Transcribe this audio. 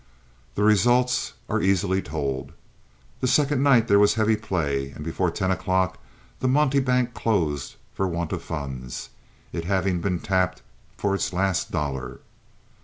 The results are easily told. The second night there was heavy play, and before ten o'clock the monte bank closed for want of funds, it having been tapped for its last dollar.